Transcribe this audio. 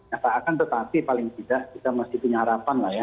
nyata akan tetapi paling tidak kita masih punya harapan lah ya